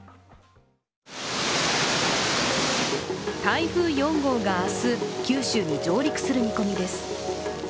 台風４号が明日、九州に上陸する見込みです。